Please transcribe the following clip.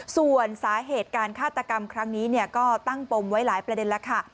ส่วนสาเหตุการฆาตกรรมครั้งนี้ก็ตั้งปมไว้หลายประเด็นแล้วค่ะ